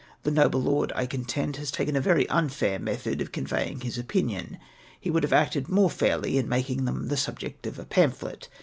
The noble lord, I contend, has taken a very unfair method of conveying his opinion ; he would have acted more fairly in making them the subject of a pamphlet.